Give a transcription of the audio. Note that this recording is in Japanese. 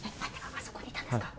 あそこにいたんですか？